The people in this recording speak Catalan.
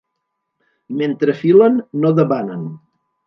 Mentre filen no debanen.